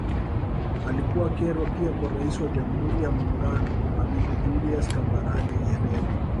Alikuwa kero pia kwa Rais wa Jamhuri ya Muungano Mwalimu Julius Kambarage Nyerere